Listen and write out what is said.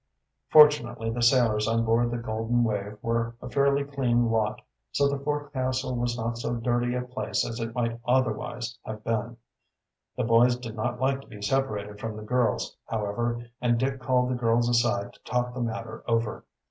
Fortunately the sailors on board the Golden Wave were a fairly clean lot, so the forecastle was not so dirty a place as it might otherwise have been. The boys did not like to be separated from the girls, however, and Dick called the girls aside to talk the matter over.